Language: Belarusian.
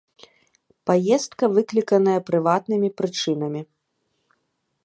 Паездка выкліканая прыватнымі прычынамі.